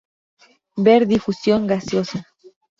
Ver difusión gaseosa.